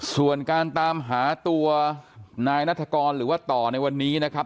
ส่วนการตามหาตัวนายนัฐกรหรือว่าต่อในวันนี้นะครับ